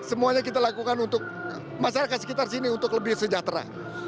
semuanya kita lakukan untuk masyarakat sekitar sini untuk lebih sejahtera